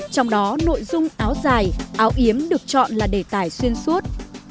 trong đó nội dung áo dài áo yếm được chọn là đề tài xuyên suốt